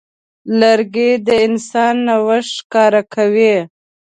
لرګی د انسان نوښت ښکاره کوي.